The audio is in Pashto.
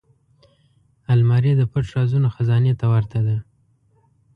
الماري د پټ رازونو خزانې ته ورته ده